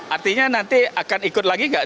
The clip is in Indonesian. artinya nanti akan ikut lagi nggak